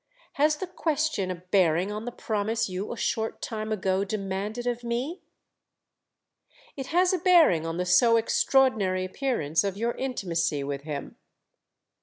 "Has the question a bearing on the promise you a short time ago demanded of me?" "It has a bearing on the so extraordinary appearance of your intimacy with him!"